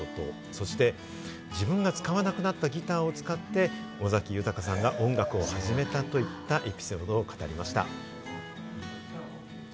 そして自分が使わなくなったギターを使って尾崎豊さんが音楽を始めたといったエピソードを語りました。